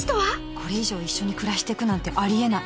これ以上一緒に暮らしていくなんてありえない